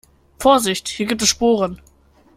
Vorsicht, hier gibt es Sporen.